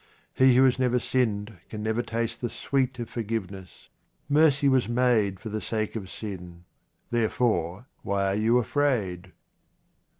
He who has never sinned can never taste the sweet of forgiveness. Mercy was made for the sake of sin ; therefore, why are you afraid